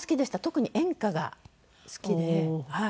特に演歌が好きではい。